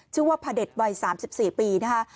ชื่อว่าพระเด็จวัย๓๔ปีนะคะ